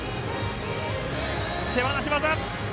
手放し技！